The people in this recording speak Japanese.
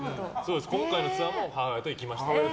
今回のツアーも母親と行きました。